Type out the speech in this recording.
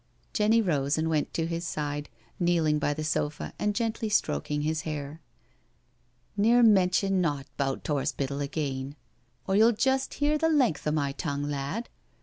Jenny rose and went to his side, kneeling by the sofa and gently stroking his hair. *' Neer mention naught 'bout t*orspital again, or you'll just hear the length o' my tongue, lad."